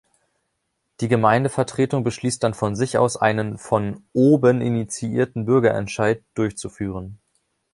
Die Gemeindevertretung beschließt dann von sich aus, einen von „oben initiierten Bürgerentscheid“ durchzuführen.